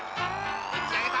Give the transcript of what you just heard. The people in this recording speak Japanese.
打ち上げた］